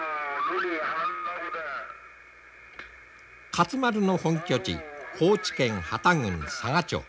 勝丸の本拠地高知県幡多郡佐賀町。